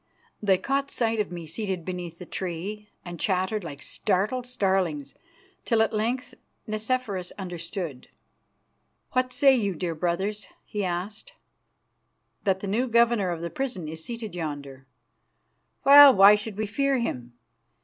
They caught sight of me seated beneath the tree, and chattered like startled starlings, till at length Nicephorus understood. "What say you, dear brothers?" he asked, "that the new governor of the prison is seated yonder? Well, why should we fear him?